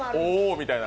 みたいな。